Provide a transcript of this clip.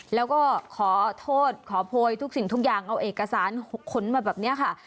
แล้วก็ขอโทษขอโพยทุกสิ่งทุกอย่างเอาเอกสารขนมาแบบนี้ค่ะ